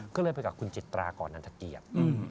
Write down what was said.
ก็เลยไปกับคุณจิตราก่อนนันทเกียรติ